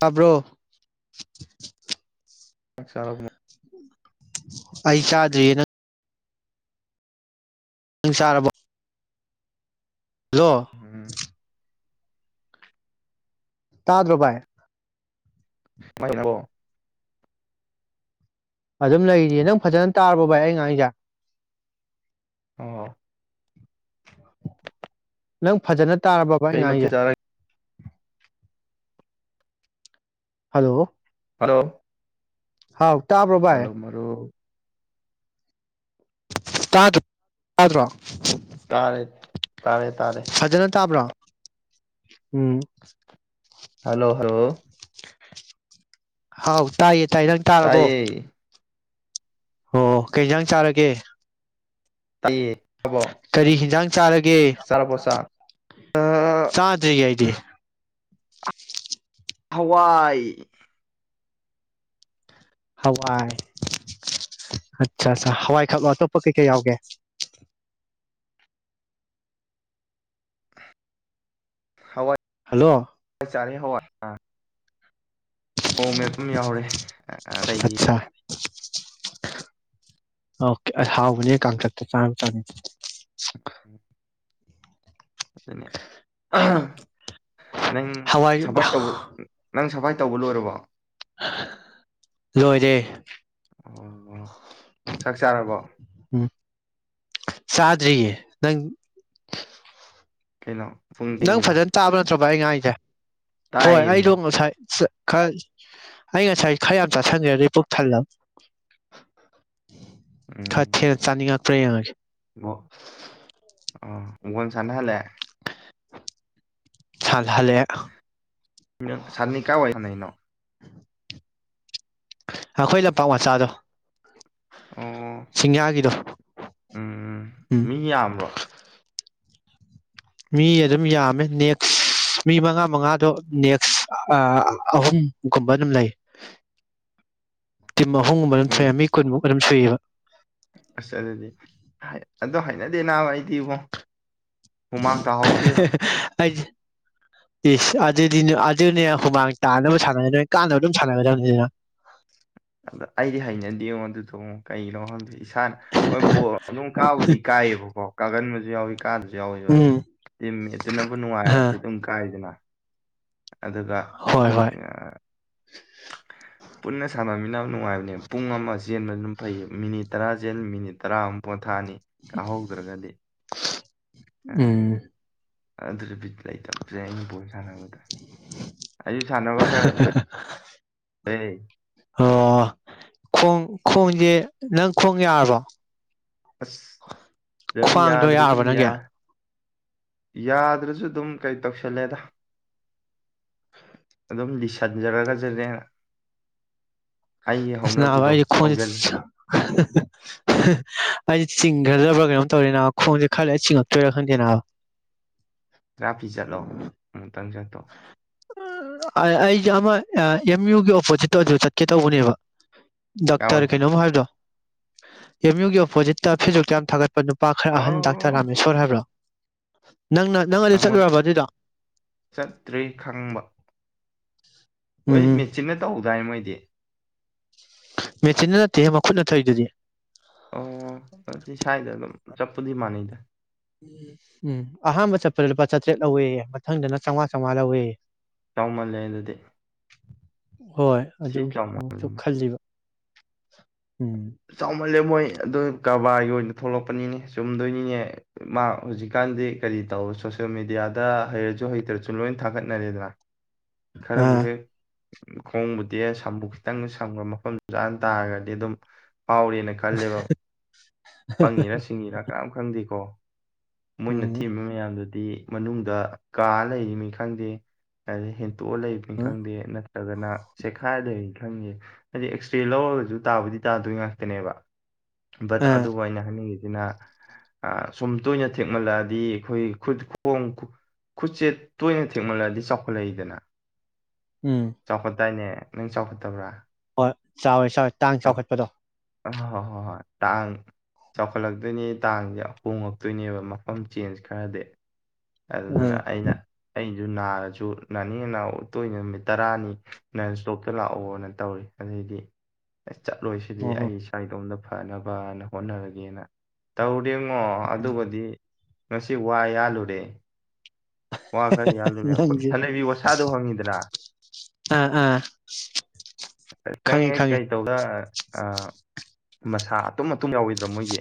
ꯇꯥꯕ꯭ꯔꯣ ꯆꯂ ꯑꯩ ꯆꯥꯗ꯭ꯔꯤꯑꯅ ꯁꯥꯔꯕꯣ ꯍꯜꯂꯣ ꯎꯝ ꯇꯥꯗ꯭ꯔꯕꯥꯥꯏ ꯣ ꯑꯗꯨꯝ ꯂꯩꯔꯤꯌꯦ ꯅꯪ ꯐꯖꯅ ꯇꯥꯔꯕꯣ ꯚꯥꯏ ꯑꯩ ꯉꯥꯡꯁꯦ ꯑ ꯅꯪ ꯐꯖꯅ ꯇꯥꯔ ꯕꯕꯥ ꯑꯩ ꯀꯩ ꯉ ꯃꯊꯦꯜ ꯑꯩꯒꯦ ꯆꯥꯔꯒꯦ ꯍꯜꯂꯣ ꯍꯂꯣ ꯍꯥꯎ ꯇꯥꯕ꯭ꯔꯣ ꯕꯥꯏ ꯇꯥꯗ꯭ꯔꯣ ꯇꯥꯗ꯭ꯔꯣ ꯇꯥꯔꯦ ꯇꯥꯔꯦ ꯇꯥꯔꯦ ꯐꯖꯅ ꯇꯥꯕ꯭ꯔꯥ ꯎꯝ ꯍꯜꯂꯣ ꯍꯜꯂꯣ ꯍꯥꯎ ꯇꯥꯏꯌꯦ ꯇꯥꯏ ꯅꯪ ꯇꯥꯔꯕꯣ ꯇꯥꯏꯌꯦ ꯍꯣꯑꯣ ꯀꯩꯁꯥꯡ ꯆꯥꯔꯒꯦ ꯑꯦ ꯀꯔꯤ ꯌꯦꯟꯁꯥꯡ ꯆꯥꯔꯒꯦ ꯆꯥꯔꯕꯣ ꯆꯥꯛ ꯑ ꯆꯥꯗ꯭ꯔꯤꯌꯦ ꯑꯩꯗꯤ ꯍꯋꯥꯏ ꯍꯋꯥꯏ ꯑꯠꯆꯥ ꯑ ꯍꯋꯥꯏ ꯈꯥꯛꯂꯣ ꯑꯇꯣꯞꯄ ꯀꯩꯀꯩ ꯌꯥꯎꯒꯦ ꯍꯋꯥꯏ ꯍꯜꯂꯣ ꯆꯥꯔꯦ ꯍꯋꯥꯏ ꯃꯣꯔꯣꯛ ꯃꯦꯠꯄ ꯑꯃꯥ ꯌꯥꯎꯔꯦ ꯑꯇꯩꯗꯤ ꯑꯠꯆꯥ ꯑꯣꯀꯦ ꯑ ꯍꯥꯎꯕꯅꯦꯍꯦ ꯀꯥꯡꯇꯛꯀꯥ ꯆꯥꯕ ꯑꯗꯨꯅꯤ ꯅꯪ ꯍꯋꯥꯏ ꯁꯐꯥꯏ ꯇꯧꯕ ꯅꯪ ꯁꯐꯥꯏ ꯇꯧꯕ ꯂꯣꯏꯔꯕꯣ ꯂꯣꯏꯔꯦ ꯑꯣ ꯆꯛ ꯆꯥꯔꯕꯣ ꯆꯥꯗꯔꯤꯌꯦ ꯅꯪ ꯀꯩꯅꯣ ꯄꯨꯡ ꯅꯪ ꯊꯦꯡꯉꯤꯗ ꯐꯖꯅ ꯇꯥꯕ ꯅꯠꯇ꯭ꯔꯣ ꯏꯉꯥꯏ ꯆ ꯍꯣꯏ ꯇꯥꯏꯌꯦꯃꯤ ꯑꯩꯗꯣꯡꯉ ꯁꯥꯏ ꯈꯔ ꯑꯩ ꯉꯁꯥꯏ ꯈꯔ ꯌꯥꯝ ꯆꯥꯁꯤꯟꯒꯦꯗꯗꯤ ꯄꯨꯛ ꯊꯜꯂ ꯈꯔ ꯊꯅ ꯎꯝ ꯆꯥꯅꯤꯡꯉꯛꯇ꯭ꯔꯦ ꯌꯦꯡꯉꯒꯦ ꯎꯒꯅ ꯁꯅꯍꯜꯂꯦ ꯆꯗꯂꯦ ꯁꯥꯟꯅꯤꯀꯥ ꯑꯣꯏꯏ ꯁꯅꯩꯅꯣ ꯑꯩꯈꯣꯏ ꯂꯝꯄꯥꯛ ꯃꯆꯥꯗꯣ ꯑꯣ ꯁꯤꯡꯌꯥꯒꯤꯗꯣ ꯎꯝ ꯎꯝ ꯃꯤ ꯌꯥꯝꯕ꯭ꯔꯣ ꯃꯤ ꯑꯗꯨꯝ ꯌꯥꯝꯃꯦ ꯅꯦꯛꯁ ꯃꯤ ꯃꯉꯥ ꯃꯉꯥꯗꯣ ꯅꯦꯛꯁ ꯑꯍꯨꯝꯒꯨꯝꯕ ꯑꯗꯨꯝ ꯂꯩ ꯇꯤꯝ ꯑꯍꯨꯝꯕꯅ ꯃꯤ ꯐꯌꯥꯝꯃꯤ ꯀꯨꯟꯃꯨꯛ ꯄꯨꯁꯨꯨꯕ ꯑꯁ ꯑꯗꯨꯗꯤ ꯑꯗꯣ ꯍꯥꯏꯩꯅꯗꯦ ꯅꯥꯕ ꯑꯩꯗꯤ ꯏꯕꯣ ꯍꯨꯃꯥꯡ ꯇ ꯍꯣꯜꯗꯤꯕ ꯑꯩꯗꯤ ꯏꯁꯁ ꯑꯗꯨꯗꯤ ꯑꯗꯨꯅꯦ ꯍꯨꯃꯥꯡ ꯇꯥꯅꯕ ꯁꯥꯟꯅꯒꯗꯅꯦ ꯀꯥꯟꯅꯕ ꯑꯗꯨꯝ ꯁꯥꯟꯅꯒꯗꯕꯅꯤ ꯑꯗꯨꯅ ꯑꯗ ꯑꯩꯗꯤ ꯍꯩꯅꯗ ꯌꯦꯉꯣ ꯑꯗꯨꯗ ꯀꯩꯅꯣ ꯍꯪꯗ ꯏꯁꯥꯅ ꯍꯣꯏꯕ ꯑꯗꯨꯝ ꯀꯥꯕꯨꯗꯤ ꯀꯥꯏꯑꯕꯀꯣ ꯀꯥꯒꯟꯕ [inaudible] ꯀꯥꯗꯨꯁꯨ ꯌꯥꯎꯋꯕ ꯎꯝ ꯇꯤ ꯃꯠꯇꯨꯅꯕꯨ ꯑ ꯅꯨꯡꯉꯥꯏꯔꯗꯤ ꯑꯗꯨꯝ ꯀꯥꯏꯗꯅ ꯑꯗꯨꯒ ꯍꯣꯏ ꯍꯣꯏ [inaudible] ꯄꯨꯟꯅ ꯁꯥꯟꯅꯃꯤꯟꯅꯕ ꯅꯨꯡꯉ ꯄꯨꯡ ꯑꯃ ꯆꯦꯟꯕ ꯐꯩ ꯃꯤꯅꯤꯠ ꯇꯔꯥꯖꯦꯜ ꯃꯤꯅꯤꯠ ꯇꯔꯥꯃꯨꯛ ꯄꯣꯊꯥꯅꯤ ꯀꯥꯍꯧꯗ꯭ꯔꯒꯗꯤ ꯎꯝ ꯑꯗꯨꯗꯤ ꯄ ꯂꯩ ꯆꯦ ꯑꯩꯅ ꯄꯣꯠ ꯁꯥꯟꯅꯕꯗ ꯁꯅꯅꯕ ꯈꯔꯣꯏꯦ ꯍꯥꯏꯣꯏ ꯑꯣ ꯈꯣꯡ ꯈꯣꯡꯁꯦ ꯅꯪ ꯈꯣꯡ ꯌꯥꯔꯕꯣ ꯑꯁ ꯑꯗꯨꯝ ꯈ꯭ꯋꯥꯡꯗꯣ ꯌꯥꯗ꯭ꯔꯁꯨ ꯌꯥꯔꯕꯣ ꯅꯪꯒꯤ ꯌꯥ ꯌꯥꯗ꯭ꯔꯁꯨ ꯑꯗꯨꯝ ꯀꯩ ꯇꯧꯁꯜꯂꯦꯗ ꯑꯗꯨꯝ ꯂꯤꯁꯟꯖꯔꯒꯁꯤꯅꯦ ꯁꯅꯗꯤ ꯈꯣꯟ ꯑꯩꯗꯤ ꯆꯤꯡꯈ꯭ꯔꯗꯕ꯭ꯔꯥ ꯀꯩꯅꯣꯝ ꯇꯧꯔꯦꯅꯥ ꯈꯣꯡꯁꯦ ꯈꯔꯂ ꯆꯤꯡꯉꯛꯇꯣꯏꯔꯥ ꯈꯪꯗꯦ ꯈꯔ ꯐꯤ ꯆꯠꯂꯣ ꯑꯃꯨꯛꯇꯪ ꯆꯠꯇꯣ ꯑꯩꯁ ꯑꯃ ꯑꯦꯝ ꯌꯨꯒꯤ ꯑꯣꯄꯣꯖꯤꯠꯇ ꯍꯧꯖ ꯆꯠꯀꯦ ꯇꯧꯕꯅꯦꯕ ꯗꯥꯛꯇꯔ ꯌꯥꯎꯋꯦꯗ ꯀꯩꯅꯣꯝ ꯍꯥꯏꯕꯗꯣ ꯑꯦꯝ ꯌꯨꯒꯤ ꯑꯣꯄꯣꯖꯤꯠꯇ ꯐꯤꯖꯣꯛꯛꯇ ꯌꯥꯝ ꯊꯥꯒꯠ ꯂ ꯅꯨꯄꯥ ꯈꯔ ꯑꯍꯟ ꯗꯥꯛꯇꯔ ꯑꯣ ꯔꯥꯃꯦꯁꯣꯔ ꯍꯥꯏꯕ꯭ꯔꯣ [inaudible] ꯅꯪꯅ ꯅꯪ ꯑꯗꯨꯗꯤ ꯆꯠꯂꯨꯔꯕ ꯑꯗꯨꯏꯗꯣ ꯇ꯭ꯔꯤ ꯈꯪꯕ ꯃꯣꯏ ꯎꯝ ꯃꯦꯆꯤꯟꯅ ꯇꯧꯗꯥꯏ ꯃꯣꯏꯗꯤ ꯃꯦꯆꯤꯟꯟꯅ ꯅꯠꯇꯦ ꯃꯈꯨꯠꯅ ꯊꯏꯗꯨꯗꯤ ꯆꯞꯄꯗꯤ ꯃꯥꯅꯤꯗ ꯎꯝ ꯎꯝ ꯑꯍꯥꯟꯕ ꯆꯠꯄꯗ ꯂꯨꯄꯥ ꯆꯥꯇ꯭ꯔꯦꯠ ꯂꯧꯋ ꯃꯊꯪꯗꯅ ꯆꯥꯝꯃꯉꯥ ꯆꯥꯝꯃꯉꯥ ꯂꯧꯋꯦ ꯆꯥꯎꯃꯜꯂꯦ ꯑꯗꯨꯗꯤ ꯍꯣꯏ ꯊꯤ ꯑꯗꯨꯒꯤ ꯑꯃꯨꯛꯁꯨ ꯈꯜꯂꯤꯕ ꯎꯝ ꯆꯃꯜꯦ ꯃꯣꯏ ꯑꯗꯨ ꯀꯔꯕꯥꯔꯒꯤ ꯑꯣꯏꯅ ꯊꯣꯛꯂꯛꯄꯅꯤꯅꯦ ꯆꯨꯝꯗꯣꯏꯅꯤꯅꯦ ꯃꯥ ꯍꯧꯖꯤꯛꯀꯥꯟꯗꯤ ꯀꯔꯤ ꯇꯧ ꯁꯣꯁꯦꯜ ꯃꯦꯗꯤꯌꯥꯗ ꯍꯩꯔꯁꯨ ꯍꯩꯇ꯭ꯔꯁꯨ ꯂꯣꯏ ꯊꯥꯒꯠꯅꯔꯦꯗꯅ ꯈꯔꯕ ꯑꯥ ꯍ ꯈꯣꯡꯕꯨꯗꯤ ꯁꯝꯕꯨꯨ ꯈꯤꯇꯪ ꯁꯪꯕ ꯃꯐꯝꯗꯨ ꯆꯥꯅ ꯇꯥꯔꯒꯗꯤ ꯑꯗꯨꯝ ꯐꯥꯎꯔꯦꯅ ꯈꯜꯂꯦꯕ ꯄꯪꯉꯤꯔꯥ ꯁꯤꯡꯉꯤꯔꯥ ꯀꯅꯥꯝ ꯈꯪꯗꯦꯀꯣ ꯃꯣꯏꯅ ꯎꯝ ꯊꯤꯕ ꯃꯌꯥꯝꯗꯨꯗꯤ ꯃꯅꯨꯡꯗ ꯀꯥ ꯂꯩꯔꯤꯅꯤ ꯈꯪꯗꯦ ꯍꯥꯏ ꯍ ꯇꯣꯛꯑ ꯂꯩꯕꯅꯤ ꯈꯪꯗꯦ ꯅꯠꯇ꯭ꯔꯒꯅ ꯁꯦꯈꯥꯏꯔꯗ ꯈꯪꯉꯦ ꯍꯥꯏꯗꯤ ꯑꯦꯛꯁ ꯔꯦ ꯂꯧꯔꯒꯁꯨ ꯇꯥꯕꯨꯗꯤ ꯇꯥꯗꯣꯏ ꯉꯥꯛꯇꯅꯦꯕ ꯕꯠ ꯑꯥ ꯑꯗꯨꯕꯨ ꯑꯩꯅ ꯍꯥꯏꯅꯤꯡꯉꯤꯤꯁꯦ ꯁꯣꯝ ꯇꯣꯏꯅꯥ ꯊꯦꯛꯃꯜꯂꯛꯑꯗꯤ ꯑꯩꯈꯣꯏ ꯈꯨꯠꯣꯡ ꯈꯨꯠꯁꯦ ꯇꯣꯏꯅ ꯊꯦꯛꯃꯜꯂꯛꯑꯗꯤ ꯆꯥꯎꯈꯠꯂꯛꯏꯗꯅ ꯎꯝ ꯆꯥꯎꯈꯠꯇꯥꯏꯅꯦ ꯅꯪ ꯆꯥꯎꯈꯠꯇꯕ꯭ꯔꯥ ꯆꯥꯎꯋꯣꯏ ꯆ ꯇꯥꯡ ꯆꯥꯎꯈꯠꯄꯗꯣ ꯑꯣꯏ ꯍꯣꯏ ꯍꯣꯏ ꯍꯣꯏ ꯇꯥꯡ ꯆꯥꯎꯈꯠꯂꯛꯇꯣꯏꯅꯦ ꯇꯥꯡꯁꯦ ꯍꯣꯡꯉꯛꯇꯣꯏꯅꯦꯕ ꯃꯐꯝ ꯆꯦꯟꯖ ꯈꯔꯗꯤ ꯑꯗꯨꯗꯨꯅ ꯎꯝ ꯑꯩꯅ ꯑꯩꯅ ꯑꯗꯨ ꯅꯥꯔꯁꯨ ꯅꯥꯅꯤꯡ ꯇꯣꯏꯅ ꯅꯨꯃꯤꯠ ꯇꯔꯥꯅꯤ ꯅꯪ ꯏꯁꯇꯣꯛꯇ ꯂꯥꯛꯑꯣꯅ ꯇꯧꯏ ꯑꯗꯩꯗꯤ ꯑꯦ ꯆꯠꯂꯣꯏꯁꯤꯗꯤ ꯑꯣ ꯑꯩ ꯁ꯭ꯋꯥꯏꯗꯣꯝꯗ ꯐꯅꯕꯅ ꯍꯣꯠꯅꯔꯒꯦꯅ ꯇꯧ ꯉꯣ ꯑꯗꯨꯕꯨꯗꯤ ꯉꯁꯤ ꯋꯥ ꯌꯥꯜꯂꯨꯔꯦ ꯋꯥ ꯈꯔ ꯌꯥꯗꯣꯏꯅꯦ ꯑꯩꯈꯣꯏ ꯅꯪꯁꯦ ꯁꯅꯕꯤ ꯋꯥꯁꯥꯗꯣ ꯐꯪꯉꯤꯗꯅ ꯑꯥ ꯑꯥ ꯈꯤꯇꯪ ꯈꯪꯉꯤ ꯍꯦꯛ ꯈꯪꯉꯤ ꯀꯩ ꯇꯧꯗ ꯃꯁꯥ ꯑꯇꯨꯝ ꯑꯇꯨꯝ ꯌꯥꯎꯈꯤꯣꯏꯗ꯭ꯔꯥ ꯃꯣꯏꯒꯤ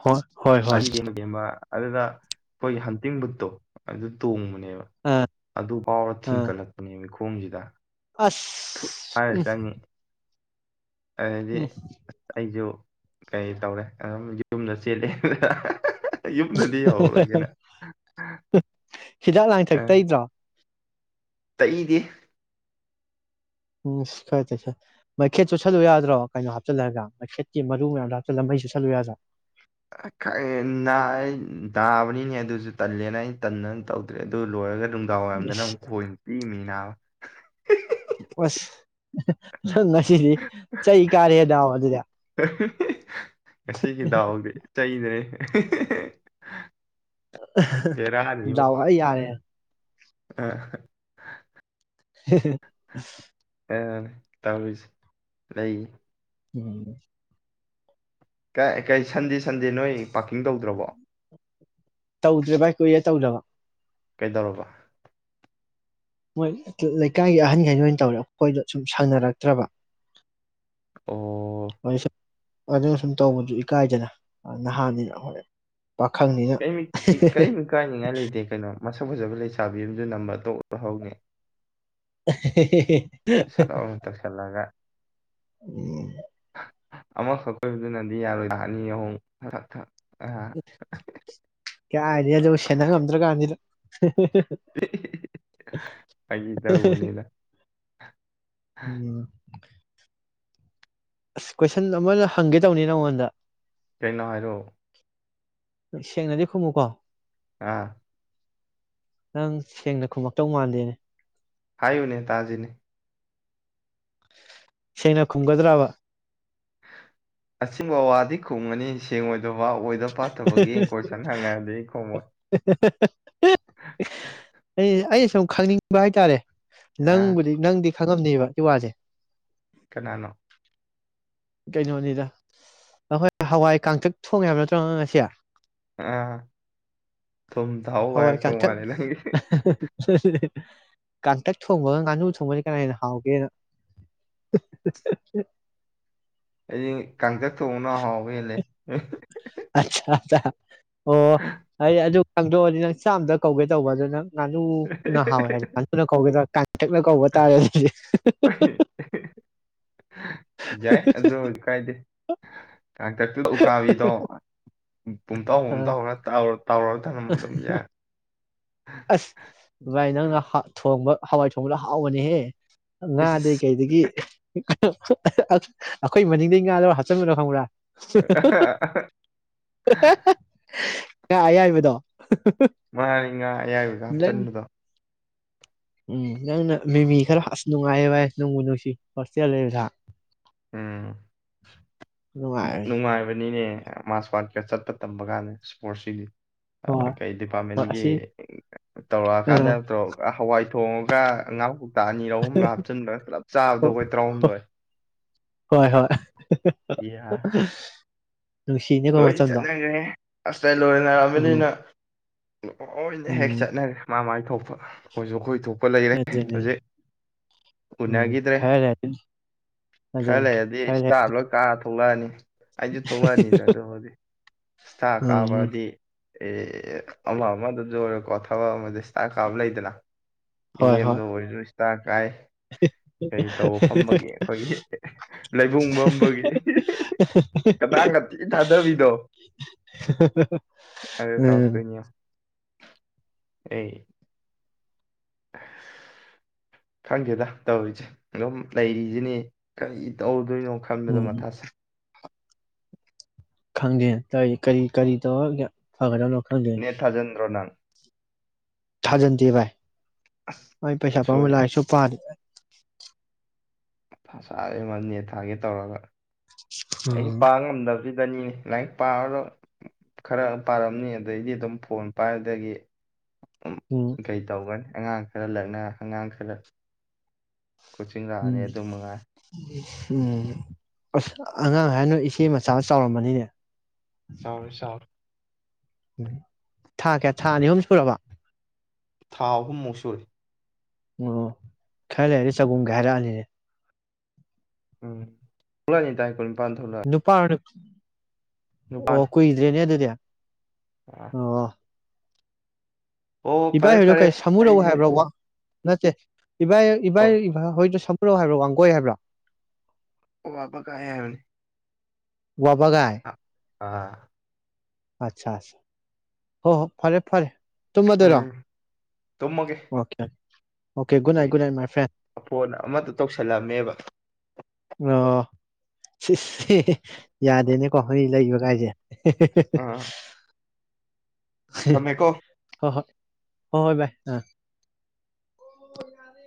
ꯍ ꯍꯣꯏ ꯍꯣꯏ ꯑꯃ ꯑꯗꯨꯗ ꯑꯩꯈꯣꯏꯒꯤ ꯍꯟꯇꯤꯡ ꯕꯨꯠꯇꯣ ꯑꯗꯨ ꯇꯣꯡꯉ ꯑꯥ ꯑꯗꯨ ꯐꯥꯎꯔ ꯑꯥ ꯊꯤꯟꯀꯠꯂꯛꯄꯅꯦꯕ ꯄꯨꯝꯁꯤꯗ ꯑꯁ ꯎꯝ ꯑꯗꯤ ꯑꯩꯖꯣ ꯀꯩ ꯇꯧꯔꯦ ꯑꯗꯨꯝ ꯌꯨꯝꯗ ꯆꯦꯜꯂꯦ ꯌꯨꯝꯗꯗꯤ ꯌꯥꯎꯔꯒꯅꯦ ꯍꯤꯗꯥꯛ ꯂꯥꯡꯊꯛ ꯇꯩꯗ꯭ꯔꯥ ꯇꯩꯗꯦ ꯎꯝ ꯈꯔ ꯇꯩꯁꯜꯂꯨ ꯃꯈꯦꯠ ꯆꯨꯁꯜꯂꯨ ꯌꯥꯗ꯭ꯔꯣ ꯀꯩꯅꯣ ꯍꯥꯞꯆꯤꯜꯂꯒ ꯃꯩꯈꯦꯠꯀꯤ ꯃꯔꯨ ꯃꯌꯥꯝꯗꯣ ꯍꯥꯞꯆꯜꯂ ꯃꯩ ꯆꯨꯁꯜꯂꯨ ꯌꯥꯗ꯭ꯔꯥ ꯅꯥ ꯑꯩ ꯗꯥꯕꯅꯤꯅꯦ ꯑꯗꯨꯁꯨ ꯇꯜꯂꯦꯅ ꯑꯩ ꯇꯟꯅꯅ ꯇꯧꯗ꯭ꯔꯦ ꯑꯗꯨ ꯂꯣꯏꯔꯒꯗꯤ ꯅꯨꯡꯗꯥꯡ ꯋꯥꯏꯔꯝꯗꯅ ꯏꯁ ꯑꯃꯨꯛ ꯈꯣꯏꯅ ꯆꯤꯛꯢꯃꯤ ꯅꯥꯕ [unintelligible] ꯑꯁ ꯉꯁꯤꯗꯤ ꯆꯩ ꯀꯥꯔꯦꯍꯦ ꯅꯥꯕ ꯑꯗꯨꯗꯤ [unintelligible] ꯉꯁꯤꯒꯤ ꯗꯥꯎꯗꯤ ꯆꯩꯗꯅꯦ [unintelligible] ꯗꯥꯎ ꯐꯖꯅ ꯌꯥꯔꯦ ꯑ [unintelligible] ꯇꯧꯔꯁꯦ ꯂꯩꯌꯦ ꯎꯝ ꯀ ꯀꯩ ꯁꯟꯗꯦ ꯁꯟꯗꯦ ꯅꯣꯏ ꯄꯥꯔꯀꯤꯡ ꯇꯧꯗ꯭ꯔꯕꯣ ꯇꯧꯗ꯭ꯔꯦ ꯚꯥꯏ ꯀꯨꯏꯔꯦ ꯇꯧꯗꯕ ꯀꯩꯗꯧꯔꯕ ꯃꯣꯏ ꯂꯩꯀꯥꯏꯒꯤ ꯑꯍꯟꯈꯩ ꯑꯣꯏꯅ ꯇꯧꯔꯦ ꯑꯩꯈꯣꯏꯗꯣ ꯁꯨꯝ ꯁꯪꯅꯔꯛꯇ꯭ꯔꯕ ꯑꯣ ꯋꯥꯁ ꯑꯗꯨꯅ ꯁꯨꯝ ꯇꯧꯕꯗꯨ ꯏꯀꯥꯏꯗꯅ ꯅꯍꯥꯟꯅꯤꯅ ꯍꯣꯏ ꯄꯥꯈꯪꯅꯤꯅ ꯀꯦꯝ ꯀꯦꯝ ꯢꯀꯥꯏꯅꯤꯡꯉꯥꯏ ꯂꯩꯇꯦ ꯀꯩꯅꯣ ꯃꯁ ꯁꯛ ꯐꯖꯕ ꯂꯩꯁꯥꯕꯤ ꯑꯃꯁꯨ ꯅꯝꯕ꯭ꯔ ꯊꯣꯛ ꯂꯧꯍꯧꯅꯤ [unintelligible] ꯁꯠ ꯂꯥꯎꯅ ꯇꯧꯁꯜꯂꯒ ꯎ ꯑꯃꯈꯛ ꯀꯣꯏꯕꯗꯨꯅꯗꯤ ꯌꯥꯔꯣꯏꯗ ꯑꯅꯤ ꯑꯍꯨꯝꯛ ꯊꯛ ꯊꯛ ꯑꯥ ꯀꯥꯗꯩꯅꯣ ꯑꯗꯨ ꯁꯦꯟꯅ ꯉꯝꯗ꯭ꯔꯀꯥꯟꯁꯤꯗ ꯐꯥꯒꯤ ꯇꯧꯕꯅꯤꯗ ꯎꯝ [inaudible] ꯑꯁ ꯀꯣꯏꯁꯟ ꯑꯃꯒ ꯍꯪꯒꯦ ꯇꯧꯅꯤ ꯅꯉꯣꯟꯗ ꯀꯩꯅꯣ ꯍꯥꯏꯔꯣ ꯁꯦꯡꯅꯗꯤ ꯈꯨꯝꯃꯨꯀꯣ ꯑꯥ ꯅꯪ ꯁꯦꯡꯅ ꯈꯨꯝꯃꯛꯇꯧ ꯃꯥꯟꯗꯦꯅꯦ ꯍꯥꯏꯌꯨꯅꯦ ꯇꯥꯖꯤꯅꯦ ꯁꯦꯡꯅ ꯈꯨꯝꯒꯗ꯭ꯔꯕ ꯑꯁꯤꯤꯡꯕ ꯋꯥꯗꯤ ꯈꯨꯝꯉꯅꯤ ꯁꯦꯡꯉꯣꯏꯗꯧꯕ ꯕꯕꯥ ꯑꯣꯏꯗ ꯄꯥꯊꯕꯒꯤ ꯀꯣꯏꯁꯟ ꯍꯪꯉꯗꯤ ꯈꯣꯡꯃꯣꯏ ꯑꯩ ꯑꯩ ꯁꯨꯝ ꯈꯪꯅꯤꯡꯕ ꯍꯥꯏꯇꯥꯔꯦ ꯑꯥ ꯅꯪꯕꯨ ꯅꯪ ꯈꯪꯉꯝꯅꯦꯕ ꯏ ꯋꯥꯁꯦ ꯀꯅꯥꯅꯣ ꯀꯩꯅꯣꯅꯤꯗ ꯑꯩꯈꯣꯏ ꯍꯋꯥꯏ ꯀꯥꯡꯥꯡꯊꯛ ꯊꯣꯡꯉꯦ ꯍꯥꯏꯕ ꯅꯠꯇ꯭ꯔꯣ ꯉꯁꯦ ꯑ ꯍꯋꯥꯏ ꯀꯥꯊ ꯀꯥꯡꯇꯛ ꯊꯣꯡꯕꯒ ꯉꯥꯅꯨ ꯊꯣꯡꯕꯁ ꯀꯅꯥꯅ ꯍꯥꯎꯒꯦꯅ ꯑꯩ ꯀꯥꯡꯪꯊ ꯊꯣꯡꯅ ꯍꯥꯎꯕ ꯍꯂꯦ [inaudible] ꯑꯣ ꯑꯩ ꯑ ꯈꯪꯗꯣꯛꯑꯗꯤ ꯅꯪ ꯆꯥꯝꯗ ꯀꯧꯒꯦ ꯇꯧꯕꯗꯣ ꯅꯪ ꯀꯨꯅ ꯍꯥꯎꯋꯦ ꯍꯥꯏꯗꯤꯅ ꯀꯧꯗ꯭ꯔ ꯄꯊꯛꯅ ꯀꯧꯕ ꯇꯥꯔꯦ ꯑꯗꯨꯗꯤ ꯌꯥꯏ ꯑꯗꯨꯗ ꯀꯥꯏꯗ ꯀ ꯀꯈꯥꯕꯤꯗꯣ ꯄꯨꯝꯊꯥꯎ ꯑ ꯄꯨꯝꯇꯥꯎ ꯅ ꯇꯥꯔ ꯇꯧꯔꯒ ꯊꯝꯂꯝꯝꯃ ꯑꯗꯨꯕ ꯌꯥ ꯑꯁ ꯚꯥꯏ ꯅꯪꯅ ꯊꯣꯡꯕ ꯍꯋꯥꯏ ꯊꯣꯡꯕꯗ ꯍꯥꯎꯕꯅꯤꯍꯦ ꯏꯁ ꯉꯥꯗꯩ ꯏꯁ ꯀꯩꯗꯒꯤ ꯑꯩꯈꯣꯏ ꯃꯅꯤꯡꯗꯒꯤ ꯉꯥꯗꯣ ꯍꯥꯞꯆꯤꯟꯔꯣ ꯈꯪꯕ꯭ꯔꯥ [inaudible] ꯑꯌꯥꯏꯕꯗꯣ ꯃꯥꯔꯤꯉ ꯃꯌꯥꯏ ꯑꯣꯏꯒ ꯅꯪ ꯍꯥꯞꯆꯤꯟꯕꯗꯣ ꯎꯝ ꯅꯪꯅ ꯃꯤꯃꯤ ꯈꯔꯁ ꯅꯨꯡꯉꯥꯏꯌꯦ ꯚꯥꯏ ꯅꯣꯡꯕꯨ ꯅꯨꯡꯁꯤ ꯍꯣꯁꯇꯦꯜ ꯂꯩꯕꯗ ꯎꯝ ꯅꯨꯡꯉꯥꯏꯔꯦ ꯅꯨꯡꯉꯥꯏꯕꯅꯤꯅꯦ ꯃꯥꯁ ꯋꯥꯠ ꯀ ꯆꯠꯄ ꯇꯝꯕ ꯀꯥꯟꯗ ꯏꯁꯄꯣꯔꯠꯁꯤꯗꯤ ꯍꯣꯏ ꯀꯩ ꯍꯣꯏ ꯗꯤꯄꯥꯔꯠꯃꯦꯟꯒꯤ ꯑꯁꯤ ꯑ ꯇꯧꯔꯛꯑꯀꯥꯟꯗ ꯇꯧꯔ ꯍꯋꯥꯏ ꯇꯣꯡꯉꯒ ꯉ ꯉꯥꯡ ꯇꯥ ꯑꯅꯤꯔ ꯑꯍꯨꯝꯂꯥ ꯍꯥꯞꯆꯤꯟꯕꯗꯣ ꯄꯨꯂꯞ ꯆꯥꯕꯗꯣ ꯑꯩꯈꯣꯏ ꯇꯔꯥꯍꯨꯝꯗꯣꯏ ꯍꯣꯏ ꯍꯣꯏ ꯌꯥ ꯅꯨꯡꯁꯤꯅꯦꯀꯣ ꯂꯣꯏ ꯃꯇꯝꯗꯣ ꯆꯠꯅꯈ꯭ꯔꯦ ꯃꯁꯇꯔ ꯎꯝ ꯂꯣꯏꯅꯔꯛꯑꯃꯤꯅ ꯂꯣꯏꯅ ꯍꯦꯛ ꯎꯝ ꯆꯠꯅꯈ꯭ꯔꯦ ꯃꯥ ꯃꯥꯥꯏ ꯊꯣꯛꯄ ꯃꯣꯏꯁꯨ ꯑꯩꯈꯣꯏ ꯊꯣꯛꯄ ꯂꯩꯔꯦ ꯑꯗꯨꯅꯦ ꯍꯧꯖꯤꯛ ꯎꯅ ꯎꯝ ꯈꯔ ꯂꯩꯔꯗꯤ ꯑꯗꯨꯅꯤ ꯈꯔ ꯂꯩꯔꯗꯤ ꯊꯣꯛꯂꯛꯑꯅꯤ ꯑꯩꯗꯤ ꯊꯣꯛꯂꯛꯑꯅꯤꯗ ꯏꯁꯇꯥꯔ ꯎꯝ ꯀꯥꯕꯗꯤ ꯑꯦ ꯑꯃ ꯑꯃꯗ ꯑꯣꯏꯔꯣꯀꯣ ꯊꯕꯛ ꯑꯃꯗ ꯏꯁꯇꯔ ꯀꯥꯕ ꯂꯩꯗꯅ ꯍꯣꯏ ꯍꯣꯏ [unintelligible] ꯇꯥꯡ ꯀꯥꯏ ꯀꯩ ꯇꯧꯕ ꯐꯝꯕꯒꯤ ꯑꯩꯈꯣꯏꯒꯤ ꯂꯩꯕꯨꯡ ꯐꯝꯕꯒꯤ ꯀꯗꯥꯥꯡ ꯊꯗꯕꯤꯗꯣ ꯑꯗꯨ ꯎꯝ ꯇꯧꯔꯛꯇꯣꯏꯅꯤ ꯌꯦꯡꯉꯣ ꯑꯦ [unintelligible] ꯈꯪꯒꯦꯗ ꯇꯧꯔꯤꯖꯦ ꯑꯗꯨꯝ ꯂꯩꯔꯤꯁꯤꯅꯤ ꯎꯝ ꯀꯔꯤ ꯈꯪꯗꯦ ꯇꯧꯔꯤ ꯀꯔꯤ ꯀꯔꯤ ꯇꯧꯔꯒꯦ ꯐꯒꯗꯕꯅꯣ ꯈꯪꯗꯦ ꯅꯦꯠ ꯊꯥꯖꯟꯗ꯭ꯔꯣ ꯅꯪ ꯊꯥꯖꯟꯗꯦ ꯑꯁ ꯚꯥꯏ ꯄꯩꯁꯥ ꯄꯥꯃꯨꯏ ꯁꯣꯏ ꯂꯥꯏꯔꯤꯛꯁꯨ ꯄꯥꯗꯦ ꯁꯥꯏꯌꯦꯉꯣ ꯅꯦꯠ ꯊꯥꯒꯦ ꯇꯧꯔꯒ ꯑꯩꯁꯨ ꯎꯝ ꯄꯥꯕ ꯉꯝꯗꯕꯁꯤ ꯗꯅꯤ ꯂꯥꯏꯔꯤꯛ ꯄꯥꯔꯔꯣꯏ ꯈꯔ ꯑꯃ ꯄꯥꯔꯝꯅꯤ ꯑꯗꯩꯗꯤ ꯑꯗꯨꯝ ꯐꯣꯟ ꯄꯥꯏꯕꯗꯒꯤ ꯎꯝ ꯀꯩ ꯇꯧꯒꯅꯤ ꯑꯉꯥꯡ ꯈꯔ ꯂꯛꯅ ꯑꯉꯥꯡ ꯈꯔ ꯀꯣꯆꯤꯡ ꯂꯥꯛꯑꯅꯤ ꯎꯝ ꯑꯗꯨ ꯃꯉꯥꯏ ꯎꯝ ꯑꯁ ꯑꯉꯥꯡ ꯍꯥꯏꯒ ꯏꯆꯦ ꯃꯆꯥ ꯆꯥꯎꯔꯝꯃꯅꯤꯅꯦ ꯆꯥꯎꯔꯦ ꯆꯥꯎꯔꯦ ꯊꯥ ꯀꯌꯥ ꯊꯥ ꯑꯅꯤ ꯑꯍꯨꯝ ꯁꯨꯔꯕ ꯊꯥ ꯑꯍꯨꯝ ꯃꯨꯛꯁꯨꯔꯤ ꯑꯣ ꯈꯔꯂꯩꯔ꯭ꯗꯤ ꯆꯥꯎꯝꯒꯦ ꯍꯥꯏꯔꯛꯑꯅꯤꯅꯦ [unintelligible] ꯅꯨꯄꯥ [inaudible] ꯅꯤꯄꯥꯟ ꯑꯣ ꯀꯨꯏꯗ꯭ꯔꯦꯅꯦ ꯑꯗꯨꯗꯤ ꯑꯥ ꯑꯣ ꯏꯚꯥꯏ ꯐꯔꯦ ꯍꯣꯏꯗꯣ ꯐꯔꯦ ꯀꯩ ꯁꯃꯨꯔꯧ ꯑꯩꯁꯦ ꯍꯥꯏꯕ꯭ꯔꯥ ꯋꯥ ꯅꯠꯇꯦ ꯏꯕꯥꯏ ꯏꯕꯥꯥꯏ ꯍꯣꯏꯗꯣ ꯁꯃꯨꯔꯧ ꯍꯥꯏꯕ꯭ꯔꯥ ꯋꯥꯡꯒꯣꯏ ꯍꯥꯏꯕ꯭ꯔꯥ ꯑꯣ ꯋꯥꯕꯒꯥꯏ ꯍꯥꯏꯕꯅꯦ ꯋꯥꯕꯒꯥꯏ ꯑꯥ ꯑꯆꯥ ꯍꯣ ꯍꯣ ꯐꯔꯦ ꯐꯔꯦ ꯇꯨꯝꯃꯗꯣꯏꯔꯣ ꯎꯝ ꯇꯨꯝꯃꯒꯦ ꯑꯣꯀꯦ ꯑꯣꯀꯦ ꯒꯨꯗ ꯅꯥꯏꯠ ꯑꯩ good night my friend phone ꯑꯃꯗ ꯇꯧꯁꯜꯂꯝꯃꯦꯕ ꯑꯣ ꯌꯥꯗꯦꯅꯦꯀꯣ ꯍ ꯂꯩꯕ ꯀꯥꯏꯁꯦ [inaudible] ꯑꯥ ꯊꯝꯃꯦꯀꯣ ꯍꯣ ꯍꯣꯏ ꯍꯣ ꯍꯣꯏ ꯚꯥꯏ ꯑ ꯌꯥꯔꯦ